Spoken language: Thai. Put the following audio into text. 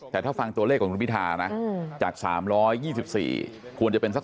แต่ถ้าฟังตัวเลขของคุณพิธานะจาก๓๒๔ควรจะเป็นสัก